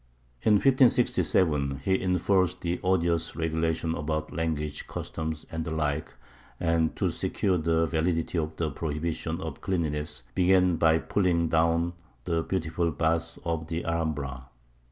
In 1567 he enforced the odious regulations about language, customs, and the like, and, to secure the validity of the prohibition of cleanliness, began by pulling down the beautiful baths of the Alhambra.